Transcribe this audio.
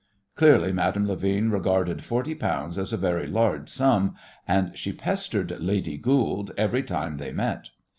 Clearly Madame Levin regarded forty pounds as a very large sum, and she pestered "Lady Goold" every time they met.